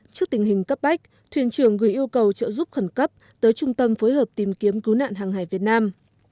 trước tình hình cấp bách thuyền trưởng gửi yêu cầu trợ giúp khẩn cấp tới trung tâm phối hợp tìm kiếm cứu nạn hàng hải việt nam